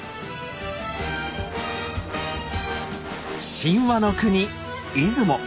神話の国出雲。